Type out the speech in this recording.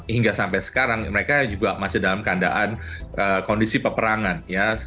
hingga sampai sekarang mereka juga masih dalam keadaan kondisi peperangan ya